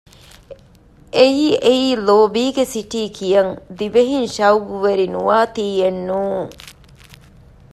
އެއީ އެއީ ލޯބީގެ ސިޓީ ކިޔަން ދިވެހިން ޝައުގުވެރި ނުވާތީއެއް ނޫން